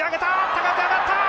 高く上がった！